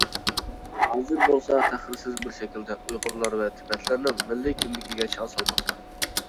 ھازىر بولسا تەخىرسىز بىر شەكلىدە ئۇيغۇرلار ۋە تىبەتلەرنىڭ مىللىي كىملىكىگە چاڭ سالماقتا.